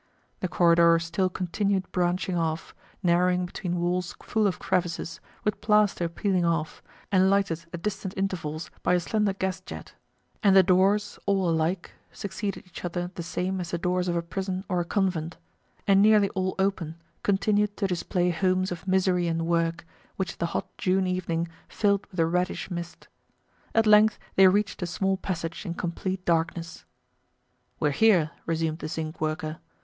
The corridor still continued branching off, narrowing between walls full of crevices, with plaster peeling off, and lighted at distant intervals by a slender gas jet; and the doors all alike, succeeded each other the same as the doors of a prison or a convent, and nearly all open, continued to display homes of misery and work, which the hot June evening filled with a reddish mist. At length they reached a small passage in complete darkness. "We're here," resumed the zinc worker.